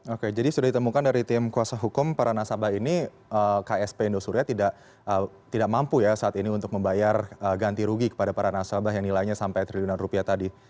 oke jadi sudah ditemukan dari tim kuasa hukum para nasabah ini ksp indosuria tidak mampu ya saat ini untuk membayar ganti rugi kepada para nasabah yang nilainya sampai triliunan rupiah tadi